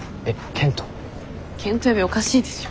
賢人呼びおかしいでしょ。